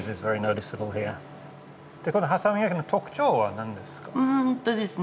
この波佐見焼の特徴は何ですか？